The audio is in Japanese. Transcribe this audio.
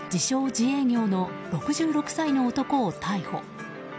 自営業の６６歳の男を逮捕。